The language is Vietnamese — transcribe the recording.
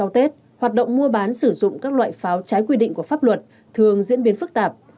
sau tết hoạt động mua bán sử dụng các loại pháo trái quy định của pháp luật thường diễn biến phức tạp